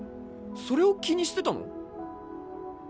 それを気にしてたの？